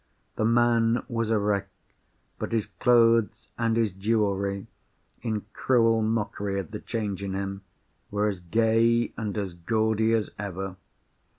The man was a wreck; but his clothes and his jewellery—in cruel mockery of the change in him—were as gay and as gaudy as ever.